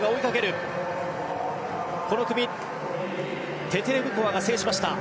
この組、テテレブコワが制しました。